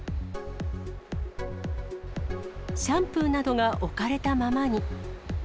シャンプーなどが置かれたままに。